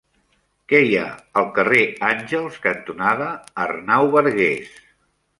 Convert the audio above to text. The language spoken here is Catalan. Què hi ha al carrer Àngels cantonada Arnau Bargués?